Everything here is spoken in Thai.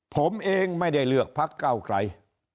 ผมเองไม่ได้เลือกพักเก้าไกล